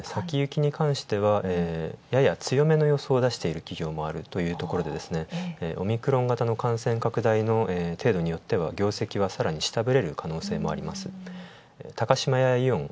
加えて先行きに関してはやや強めの出している企業があるというところで、オミクロン型の感染拡大が程度によっては業績はさらに下振れの可能性もあります。